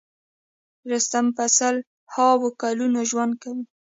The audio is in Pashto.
رستم په سل هاوو کلونه ژوند کوي.